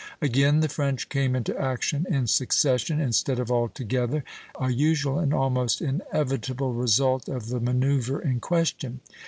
Again, the French came into action in succession instead of all together, a usual and almost inevitable result of the manoeuvre in question.